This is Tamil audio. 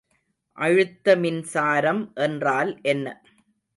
அழுத்தமின்சாரம் என்றால் என்ன?